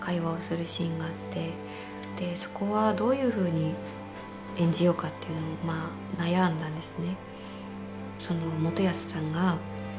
そこはどういうふうに演じようかっていうのを悩んだんですね。